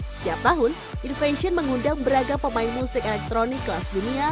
setiap tahun invation mengundang beragam pemain musik elektronik kelas dunia